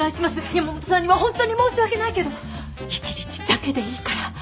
山本さんにはホントに申し訳ないけど１日だけでいいから。